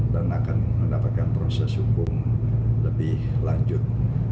dan akan mendapatkan proses hukum lebih lanjut